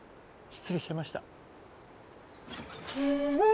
失礼しました。